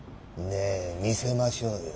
ねぇ見せましょうよ。